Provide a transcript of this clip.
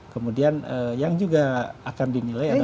kemudian yang juga akan dinilai adalah